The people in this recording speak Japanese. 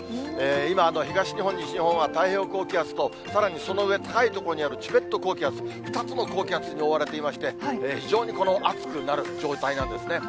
今、東日本、西日本は太平洋高気圧と、さらにその上、高い所にあるチベット高気圧、２つの高気圧に覆われていまして、非常に暑くなる状態なんですね。